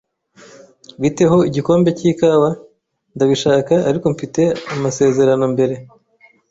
"Bite ho igikombe cy'ikawa?" "Ndabishaka, ariko mfite amasezerano mbere."